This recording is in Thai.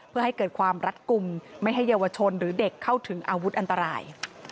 เพื่อให้เกิดความรัดกลุ่มไม่ให้เยาวชนหรือเด็กเข้าถึงอาวุธอันตราย